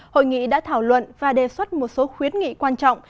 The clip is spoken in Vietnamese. hội nghị đã thảo luận và đề xuất một số khuyến nghị quan trọng